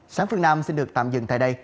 sáng phương nam xin được tạm dừng tại đây